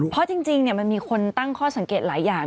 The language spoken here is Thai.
เพราะจริงมันมีคนตั้งข้อสังเกตหลายอย่าง